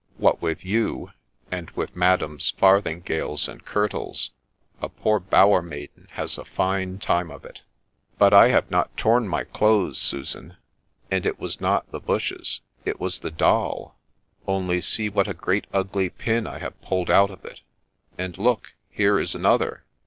What with you, and with madam's farthingales and kirtles, a poor bower maiden has a fine time of it !'' But I have not torn my clothes, Susan, and it was not the bushes ; it was the doll : only see what a great ugly pin I have pulled out of it ! and look, here is another